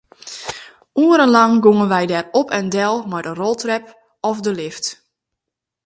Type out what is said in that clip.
Oerenlang gongen wy dêr op en del mei de roltrep of de lift.